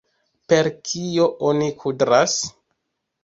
Per kio oni kudras?